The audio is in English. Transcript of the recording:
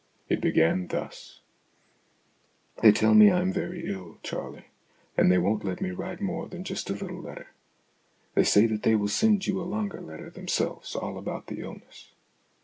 It began thus :" They tell me I am very ill, Charley, and they won't let me write more than just a little letter. They say that they will send you a longer letter themselves all about the illness.